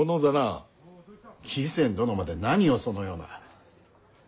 義仙殿まで何をそのような。